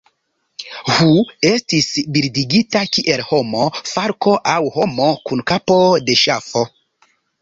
Hu estis bildigita kiel homo, falko aŭ homo kun kapo de ŝafo.